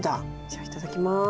じゃあいただきます。